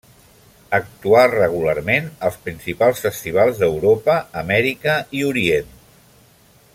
Actuà regularment als principals festivals d'Europa, Amèrica i Orient.